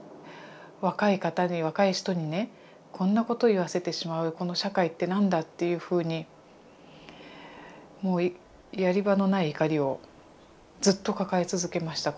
若い方に若い人にねこんなことを言わせてしまうこの社会って何だ？っていうふうにもうやり場のない怒りをずっと抱え続けました。